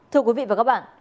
thưa quý vị và các bạn